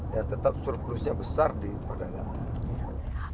ya tetap surplusnya besar di perdagangan